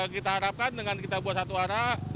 kita harapkan dengan kita buat satu arah